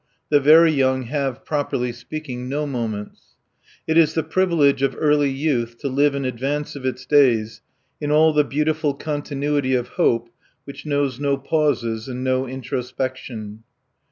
The very young have, properly speaking, no moments. It is the privilege of early youth to live in advance of its days in all the beautiful continuity of hope which knows no pauses and no introspection.